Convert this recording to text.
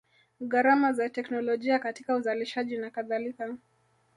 Gharama za teknolojia katika uzalishaji na kadhalika